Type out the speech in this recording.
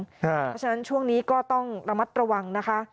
เพราะฉะนั้นช่วงนี้ก็ต้องระมัดระวังนะคะ